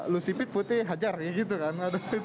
lusipit putih hajar gitu kan